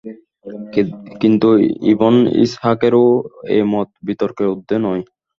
কিন্তু ইবন ইসহাকের এ মতও বিতর্কের ঊর্ধ্বে নয়।